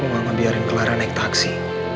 mama biarin claran naik taksi